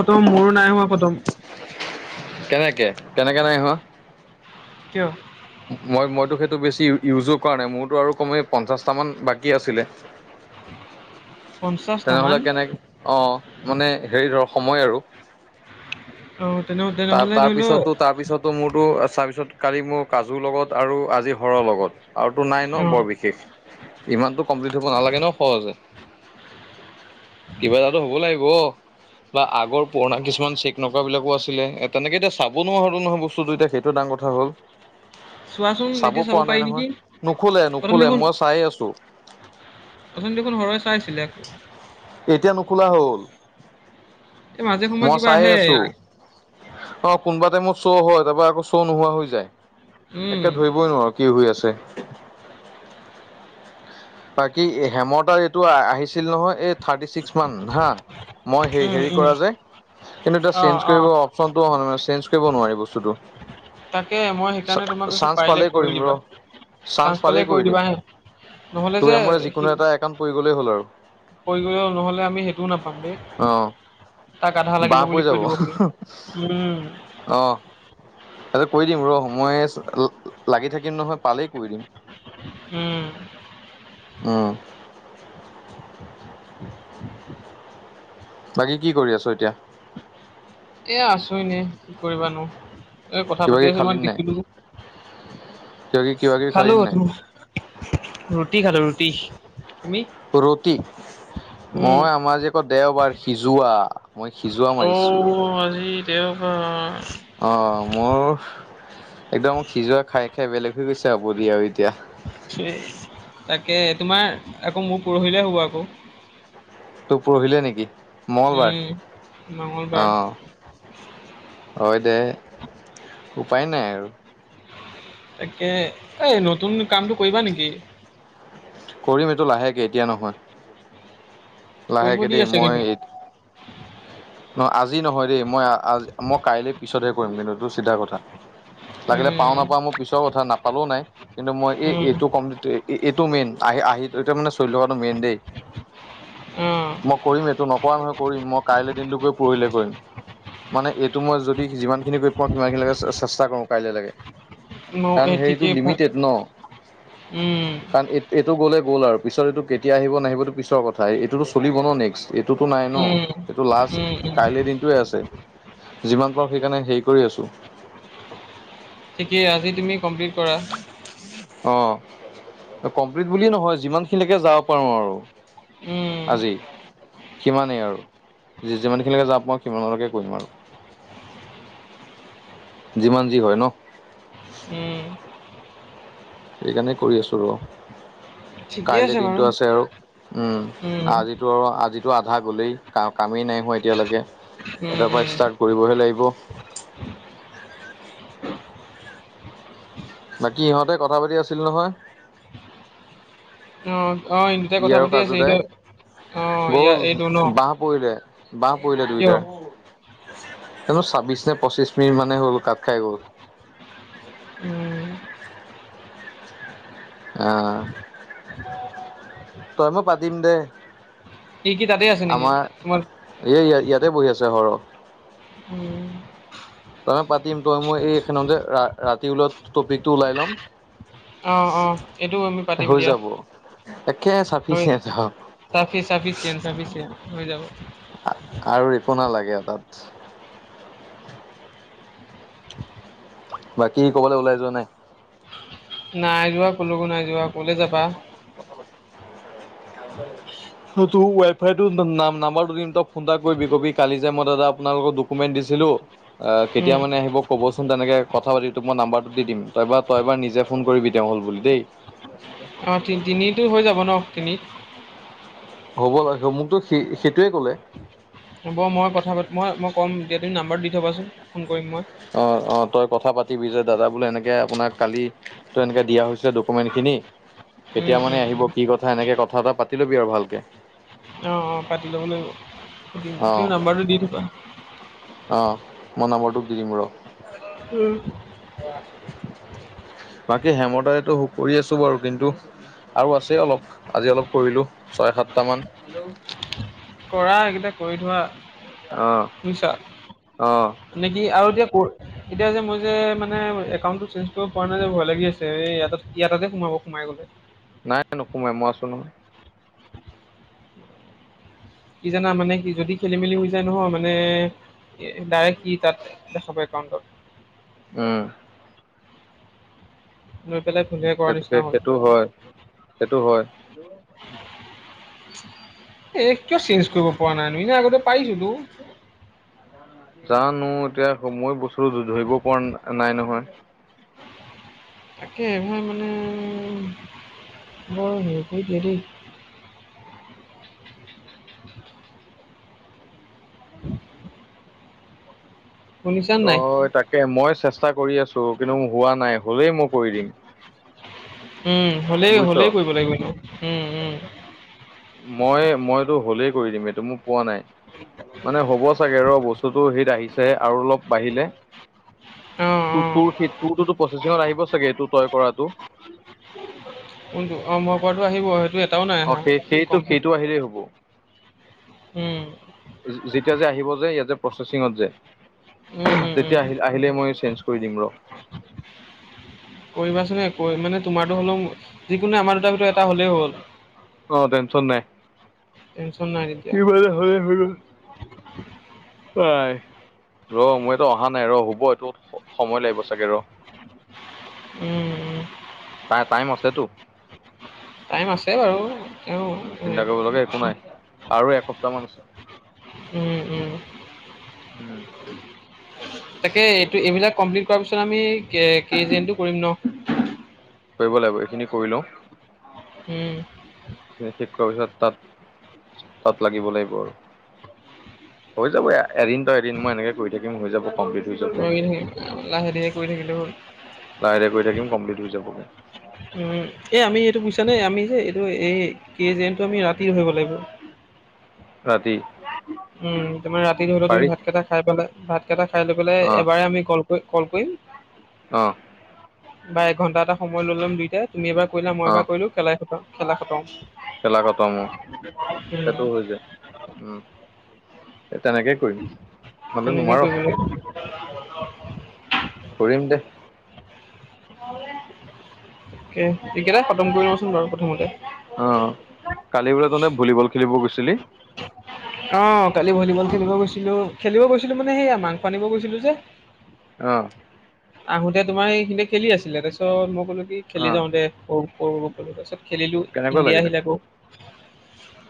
খতম মোৰো নাই হৱা খতম। কেনেকে? কেনেকে নাই হৱা? কিয়? মই মইতো সেইটো বেছি ইউজো কৰা নাই মোৰতো আৰু কমেই পঞ্চাশটা মান বাকী আছিলে। [inaudible] তেনেহ'লে কেনেক- অ' মানে হেৰি ধৰ সময় আৰু অ তেনে তেনেহ'লে ধৰি লও তাৰ-তাৰপিছতো তাৰপিছত মোৰতো তাৰপিছত কালি মোৰ কাজুৰ লগত আৰু আজি হৰৰ লগত আৰুতো নাই ন অ বৰ বিশেষ, ইমানতো কমপ্লিট হব নালাগে ন সহজে। কিবা এটা হ'ব লাগিব, বা আগৰ পুৰণা কিছুমান চেক নকৰা বিলাকো আছ- ছিলে এ তেনেকে এতিয়া চাব নোৱাৰা হলু নহয় বস্তুতটো এতিয়া সেইটো কথা হ'ল। চোৱাচোন চাব এতিয়া পৰা পাৰি নাই নেকি নহয়! অথনি নুখোলে-নুখোলে মই চাই আছো। অচোন দেখোন সৰ‌ই চাইছিলে। এতিয়া নোখোলা হ'ল। এই মাজে সময়ে মই কিবা চাইয়ে আহে আছোঁ। অ' কোনোবা টাইমত শ্ব' হয় তাৰপৰা আকৌ শ্ব' নোহোৱা হৈ যায়। উম একে ধৰিবই নোৱাৰো। কি হৈ আছে! বাকী হেম তা এইটো আহিছিল নহয় এই থাৰ্টি ছিক্স মান, হা মই উম হে-হেৰি উম কৰা যে, কিন্তু তা অ চেনজ অ কৰিব চনটো অহা নাই মানে চেঞ্জ কৰিব নোৱাৰি বস্তুটো। তাকে মই সেইকাৰণে তোমাক কৈছো চান্ঞ্চ পাৰিলে পালেই কৰি কৰিম দিবা ৰ, চান্ঞ্চ চান্স পালে পালেই কৰি দিম। দিবা হে নহ'লে যে তোৰ মোৰে সি যিকোনো এটা একান পৰি গলেই হ'ল আৰু! পৰি গ'লে হ' নহলে আমি সেইটোও নাপাম বে। অ তাক আধা লাগিব বাহ বুলি কৈ দিব হো। উম্ অঁ, এইটো কয়ি দিম ৰহ! মই লাগি থাকিম নহয় পালেই কৰি দিম। উম্ উম' [inaudible] বাকী কি কৰি আছ এতিয়া? এ আছো এনে, কি কৰিবানো! এই কিবা কিবি কথা-পাতি খালি [unintelligible] নাই দেখিলো। কিবা কিবি কিবা কিবি খালি খালো নাই তুমাৰ ৰুটি খালো ৰুটি। তুমি? ৰুটি। উম মই আমাৰ যে ক' দেওবাৰ সিজোৱা মই সিজোৱা মাৰিছো অ' আজি দেওবাৰ! অ মোৰ, একদম সিজোৱা খাই-খাই বেলেগ হৈ গৈছে আৰু বডি আৰু এতিয়া। তাকে তোমাৰ আকৌ মোৰ পৰহিলে হ'ব আকৌ। তোৰ পৰহিলে নেকি? মঙলবাৰ। উম। মঙলবাৰ অঁ। হয় দে। উপায় নাই আৰু! তাকে, অই' নতুন কামটো কৰিবা নেকি? কৰিম এইটো লাহেকে এতিয়া নহয়। কৰিব লাহেকৈ দি দেই আছে কিন্তু মই [inaudible] নহ আজি নহয় দেই মই মই কাইলৈ পিছতহে কৰিম কিন্তু এইটো চিধা কথা লাগিলে পাওঁ উম নাপাওঁ মোৰ পিছৰ কথা নাপালেও নাই কিন্তু মই এই উম এইটো কম এইটো মেইন আহি আহিতিয়া মানে চলি থকাটো মেইন দেই উম মই কৰিম এইটো নকৰা নহয় কৰিম মই কাইলৈ দিনটোকে পৰহিলে কৰিম মানে এইটো মই যদি যিমান খিনি কৰি পাওঁ সিমান খিনি চেষ্টা কৰো কাইলৈ লকে ন কাৰণ এই সেইটো ঠিকেই ভাল লিমিটেড ন উম। কাৰণ এইটো এইটো গ'লে গ'ল আৰু পিছত এইটো কেতিয়া আহিব নাহিবতো পিছৰ কথাই এইটোতো চলিব নেক্সট এইটোতো নাই ন উম এইটো উম লাষ্ট উম কাইলৈ দিন যিমান পাৰো সেইকাৰণে হেৰি কৰি আছো। ঠিকেই আজি তুমি কমপ্লিট কৰা। অ কমপ্লিট বুলিয়ে নহয় যিমান খিনিলৈকে যাব পাৰো আৰু উম। আজি সিমানেই আৰু যি যিমান খিনিলৈকে যাম প মই সিমানলৈকে কৰিম আৰু যিমান যি হয় ন উম সেইকাৰণেই কৰি আছোঁ ৰ ঠিকেই কাইলৈ দিনটো বাৰু আছে আৰু উম আজিতো আৰু আজি টো আধা গ'লেই কা কামেই নাই হোৱা এতিয়ালৈকে উম তয়াৰ পৰা উম। ষ্টাৰ্ট কৰিবহে লাগিব বাকী ইহঁতে কথা পাতি আছিল নহয় অ অ ইহতে ই কথা আৰু পাতি আছে কাজু দাই এইটো অ', ইয়া গ'ল ন? বাঁহ পৰিলে বাঁহ পৰিলে কিয়? দুইটাৰ এই ছাব্বিশ নে পঁচিশ মিনিট মানে হ'ল কাপ খাই গ'ল। উম, অ ত‌ই মই পতিম দে কি কি তাতেই আছে নেকি আমাৰ তোমাৰ এই ইয়াতে বহি আছে সৰহ উম, তই মই পাতিম তই মই এই এখনতে ৰাতি লোৱা টপিকটো ওলাই ল'ম অ অ এইটো আমি পাতিম হৈ দিয়া যাব একে চাফিচিয়েণ্ট ফিফিয়ফিয় হৈ যাব আৰু একো নালাগে তাত বাকী ক'বলৈ ওলাই যোৱা নাই। নাই যোৱা কলকো নাই যোৱা ক'লে যাবা? [unintelligible] [inaudible] [unintelligible] তোৰ ৱাইফাই টোৰ নাম নাম্বাৰটো দিম তই ফোন এটা কৰিবি ক'বি কালি যে মই দাদা আপোনালোকৰ কোকমেণ্ট দিছিলো উম, কেতিয়া মানে আহিব ক'বচোন তেনেকে কথা পাতি তোক মই নাম্বাৰটো দি দিম তাৰ তই এবাৰ নিজে ফোন কৰিবি তেওঁ হ'ল বুলি দেই। অঁ তি তিনিটো হৈ যাব ন তিনিত হ'ব লাগ মোকতো স সেইটোৱে ক'লে হ'ব মই কথা পাতি মই মই ক'ম এতিয়া তুমি নাম্বাৰত দি থ'বাচোন ফোন কৰিম মই অ অ তই কথা পাতিবি যে দাদা বোলে এনেকে আপোনাক কালি ত এনেকে দিয়া হৈছিলে ডকোমেণ্ট খিনি কেতিয়া উম, মানে উম, আহিব উম, কি কথা এনেকে কথা এটা পাতি ল'বি আৰু ভালকে অঁ পাতি ল'ব লাগিব তুমি নাম্বাৰটো দি থবা। অঁ মই নাম্বাৰটো দি দিম ৰ উম বাকী হেমতাইতো কৰি আছো বাৰু কিন্তু আৰু আছেই অলপ আজি অলপ কৰিলোঁ ছয় সাতটামান। হেল্ল' কৰা এইকেইটা কৰি থোৱা অ', অ'। বুজিছা নেকি আৰু এতিয়া কৰ এতিয়া যে মই যে মানে একাউণ্টটো চেঞ্জ কৰিব পৰা নাই যে ভয় লাগি আছে এই ইয়াত ইয়াতে সোমাব সোমাই গলে নাই নাই নোসোমাই মই আছো নহয়। কি জানা মানে সি যদি খেলি মেলি হৈ যায় নহয় মানে ডাইৰেক্ট ই তাত দেখাব একাউণ্টত উম লৈ পেলাই [inaudible] সেই হ'ল সেইটো হয় সেইটো হয় এ কিয় চেঞ্জ কৰিব পৰা নাই নিজে আগতে পৰিছিলোঁ জানো এতিয়া মই বস্তুটো ধৰিব পৰা নাই নহয়। তাকে মই মানে [unintelligible] শুনিছা নাই তই তাকেই মই চেষ্টা কৰি আছো কিন্তু মই হোৱা নাই হ'লেই মই কৰি দিম। উম হ'লেই বুজিছ। হ'লেই কৰিব লাগিব এইটো উম উম মই মই এইটো হ'লেই কৰি দিম এইটো পোৱা নাই। মানে হ'ব চাগে ৰ বস্তুটো হেৰিত আহিছেহে আৰু অলপ বাঢ়িলে। অঁ তোৰ অঁ তোৰ সেই তোৰটোতো প্ৰচেচিঙত আহিব চাগে এইটো তই কৰাটো। অ মই কৰাটো আহিব সেইটো এটাও নাই আহা কমপ্লিট দেৰি হ'ব উম যেতিয়া যে আহিব যে ইয়াত যে প্ৰচেচিঙত যে উম, উম, তেতিয়া উম, আহিলে আহিলে মই চেঞ্জ কৰি দিম ৰ। কৰিবাচোন এ মানে তোমাৰতো হলেও যিকোনো আমাৰ দুটাৰ ভিতৰত এটাৰ হলেই হ'ল আও অ টেনচন নাই টেনশচন নাই তেতিয়া হ'লেই কৰিব [inaudible] হয় [inaudible] ৰ মইটো অহা নাই ৰ হ'ব এইটো স সময় লাগিব চাগে ৰ উম উম, তাই টাইম আছেতো টাইম আছে বাৰু উম চিন্তা তেওঁ কৰিব লগা একো নাই [inaudible] আৰু এসপ্তাহ মান পিছত। হু হু উম তাকে এইটো এইবিলাক কমপ্লিট কৰাৰ পিছত আমি কে জেনটো কৰিম ন। কৰিব লাগিব এইখিনি কৰি লওঁ। হুম। শেষ কৰা পিছত তাত তাত লাগিব লাগিব আৰু। হৈ যাব এ এদিন তই এদিন মই এনেকে কৰি থাকিম হৈ যাব। কমপ্লিট হৈ যাব ৰঙিলহে লাহে ধীৰে কৰি থাকিলেও হ'ল। লাহে দিহে কৰি থাকিম কমপ্লিট হৈ যাবগে। উমঁ এই আমি এইটো বুইছা নে আমি যে এইটো এই কেই যেনটো আমি ৰাতিয়ে ধৰিব লাগিব। ৰাতি। উমঁ তোমাৰ ৰাতি ধৰিলেও তুমি পাৰি ভাতকেইটা খাই পেলাই ভাতকেইটা খাই লৈ পেলাই অ এবাৰে আমি কল কৰিম। গৈ কল কৰিম। অঁ! বা এঘন্টা এটা সময় লৈ ল'ম দুইটাই তুমি এবাৰ কৰিলা মই অ এবাৰ কৰিলোঁ খেলাই খেলা খটম। খেলা খটম উমঁ সেইটো হৈ যায় উমঁ তেনেকে। হুই মানে নোৱাৰোঁ। [unintelligible] কৰিম দে। এই এইকেইটা খটম কৰিবছোঁন বাৰু প্ৰথমতে। অঁ কালি বোলে তোহতে ভলীবল খেলিব গৈছিলি? অঁ কালি ভলীবল খেলিব গৈছিলোঁ খেলিব গৈছিলোঁ মানে সেয়া মাংস আনিব গৈছিলোঁ যে। অঁ! আহোতে তোমাৰ এইখিনিতে খেলি আছিলে তাৰপিছত মই ক'লো কি খেলি অ যাওঁ দে সৰু সৰু সৰু তাপিছত খেলিলো কেনেকুৱা ইণ্ডিয়া লাগিলে আহিলে আকৌ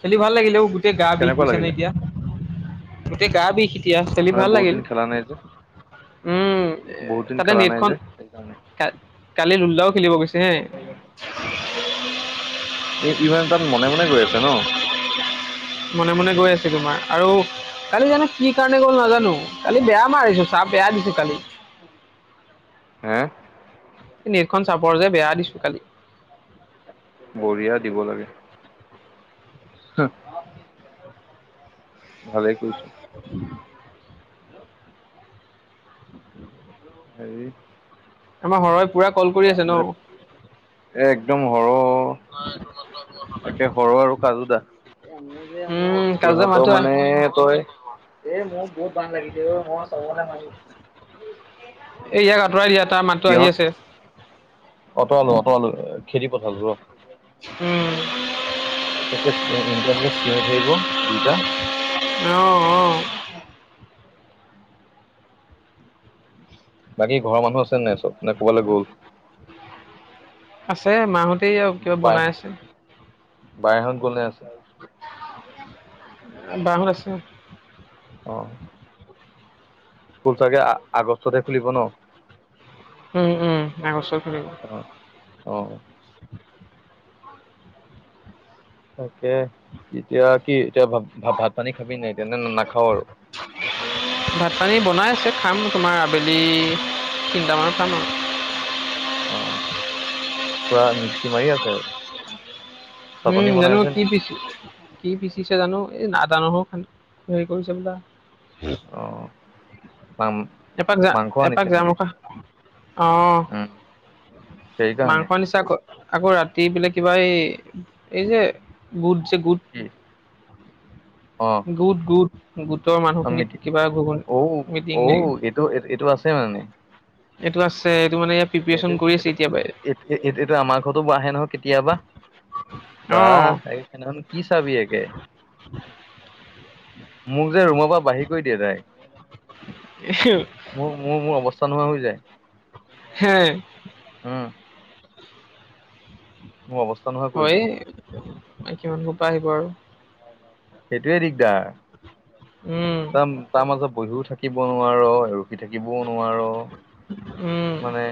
খেলি ভাল লাগিলেও গোটেই গা বিষ কেনেকুৱা বুইছানে লাগিলে এতিয়া গোটেই গা বিষ। এতিয়া খেলি মানে ভাল বহুত লাগিল। দিন খেলা নাই যে উমঁ বহুত দিন তাতে খেলা নাই নেটখন যে সেইকাৰণে কাল কালি লোল্লাও খেলিব গৈছে হে ইভান তাত মনে মনে গৈ আছে ন। মনে মনে গৈ আছে তোমাৰ আৰু কালি জানো কি কাৰণে গ'ল নাজানো কালি বেয়া মাৰিছোঁ চাহ বেয়া দিছোঁ কালি। হে! নেটখন চাপৰ যে বেয়া দিছোঁ কালি। বঢ়িয়া দিব লাগে। হে। ভালে কৰিছ। দিন না এবাৰ হেৰি আমাৰ হৰয়ে পুৰা কল কৰি আছে ন। এইবিলাক এ একদম সৰ তাকে সৰ আৰু কাজু দা। উম কাজৰ সিহঁতৰ মাতো আহ মানে তই এ মোৰ বহুত বান লাগিছে অঁ মই জ্বলে মাৰিম এই ইয়াক আঁতৰাই দিয়া তাৰ মাতটো আহি আছে কিহত? অতৰালোঁ অতৰালোঁ খেদি পথালোঁ ৰ। উমঁ! একে একেলগে চিঞৰি থাকিব দুইটা। অঁ অঁ। বাকী ঘৰৰ মানুহ আছে নে নাই চব না কৰবালে গ'ল। আছে মাহঁত বাই বাইহঁত গ'লনে আছে [unintelligible] বাহঁত আছে অ স্কুল চাগে আ আগষ্টতে খুলিব ন। উম উম আগষ্টত খুলিব। অ অ তাকে এতিয়া কি এতিয়া ভা ভাত পানী খাবি নাই না নাখাও আৰু। ভাত পানী বনাই আছে খাম তোমাৰ আবেলি তিনটামানত খাম আৰু। অ পুৰা মিক্সি মাৰি আছে উম চাটনি বনাই জানো আছে কি নেকি? পিছ কি পিচিছে জানো এই আদা নহৰু হেৰি কৰিছে হবলা। অ পাম এপাক যা এপাক যাম আক অ উম, সেইকাৰণে মাংস আনিছে আক আকৌ ৰাতি এইফালে কিবা এই এই যে গোট যে গোট এ অ গোট গোট গোটৰ অ', মানুহখিনিক মিতি কিবা ঘৰ অ', মিটিং নে অ', এইটো এইটো আছে মানে? এইটো আছে এইটো মানে প্ৰিপেৰেচন এইটো কৰি আছে এইটো এতিয়াৰ পৰাই এইটো আমাৰ ঘৰতো আহে নহয় কেতিয়াবা বা অঁ একদম কি চাবি একে মোক যে ৰুমৰ পৰা বাহিৰ কৰি দিয়ে ডাইৰেক্ট হে মোৰ মোৰ মোৰ অৱস্থা নোহোৱা হৈ যায় হে উম মোৰ অৱস্থা নোহোৱা হয় হয় মাইকীমানুহ সোপা আহিব আৰু সেইটোৱে দিগদাৰ। উম তাম তাৰ মাজত বহিও থাকে বহি থাকিব নোৱাৰ ৰখি থাকিবও নোৱাৰ উম মানে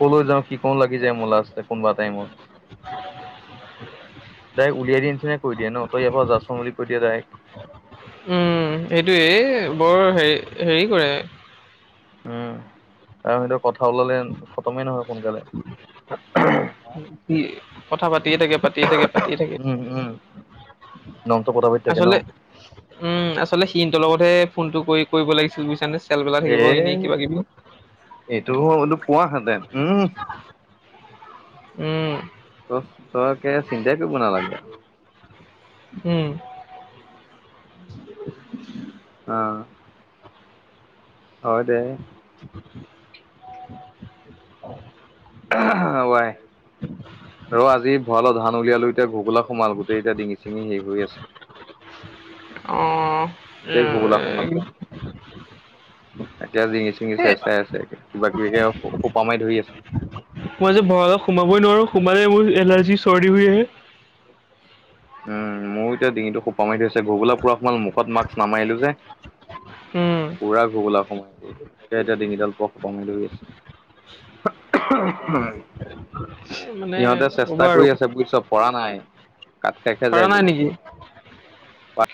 ক'লৈ যাওঁ কি কৰো লাগি যায় মোৰ লাষ্ট কোনোবা টাইমত [inaudible] ডাইৰেক্ট উলাই দিয়া নিচিনা কৈ দিয়ে নে তই ইয়াৰ পৰা যা চোন বুলি কৈ দিয়ে ডাইৰেক্ট উম সেইটোয়ে এ বৰ হে হেৰি কৰে উম আৰু সেঁতৰ কথা ওলালে খতমেই নহয় সোনকালে ই কথা পাতিয়ে থাকে পাতিয়ে থাকে পাতিয়ে থাকে। নংটো খোৱাবি আচলতে উম আচলতে সিহতৰ লগতহে ফোনটো কৰি কৰিব লাগিছিল বুজিছানে পেলপেলাই থাকিব এনেই এ কিবা কিবি এইটো বোলো পোৱাহেঁতেন উম উম তই তই কে চিন্তাই কৰিব নালাগে। উম [inaudible] অ হয় দে। [inaudible] ৱাই [inaudible] ৰ আজি ভঁৰালৰ ধান উলিয়ালো এতিয়া ঘগোলা সোমাল গোটেই এতিয়া ডিঙি চিঙি হেষ হৈ আছে। গোটেই ঘুগোলা সোমাল গাত অঁ এতিয়া জিঙি চিঙি চে চাই আছে, কিবা কিবি সোপা মাৰি ধৰি আছে। মই যে ভৰালত সোমাবই নোৱাৰো, সোমালে মোৰ এলাৰ্জি চৰ্দি হৈ আহে। উম ময়ো এতিয়া ডিঙিতটো সোপা মাৰি থৈছে, ঘূগোলা পৰা সোমাল, মুখত মাক্স নামাৰিলো যে উম, পুৰা ঘোগোলা সোমাই গ'ল। এতিয়া তিনিডাল পোৱা সোপা মাৰি ধৰি আছে। এ মানে সিহঁতে চেষ্টা ক'বা আৰু কৰি আছে বুজিছ পৰা নাই। কাট কাই খাই পাৰা যায় নাই বোলে। নেকি?